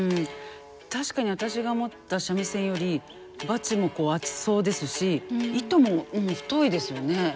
確かに私が持った三味線よりバチも厚そうですし糸も太いですよね。